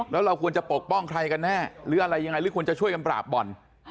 แล้วเราควรจะปกป้องใครกันแน่หรืออะไรยังไงหรือควรจะช่วยกันปราบบ่อน